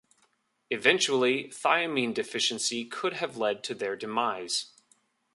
Eventually thiamine deficiency could have led to their demise.